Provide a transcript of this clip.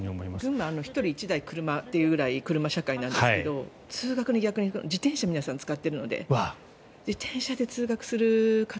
群馬は１人１台、車というくらい車社会なんですけど通学では皆さん自転車を使っているので自転車で通学する方